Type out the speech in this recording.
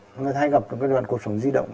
người ta hay gặp trong cái đoạn cột sống di động